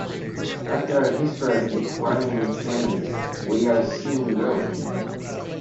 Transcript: After a history of a declining economy we are seeing growth.